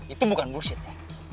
itu bukan bullshit ya